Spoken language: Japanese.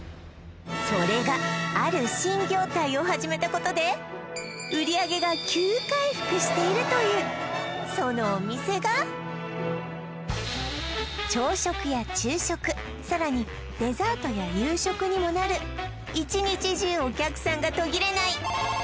それがある新業態を始めたことで売上が急回復しているというそのお店が朝食や昼食さらにデザートや夕食にもなる１日中お客さんが途切れない○